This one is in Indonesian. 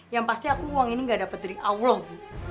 yang pasti aku uang ini gak dapat dari allah bu